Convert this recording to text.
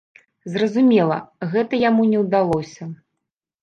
Зразумела, гэта яму не ўдалося.